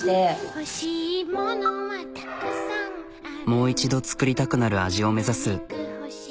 もう一度作りたくなる味を目指す。